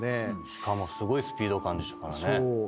しかもすごいスピード感でしたからね。